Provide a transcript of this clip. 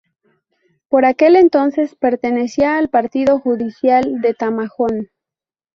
Por aquel entonces pertenecía al partido judicial de Tamajón.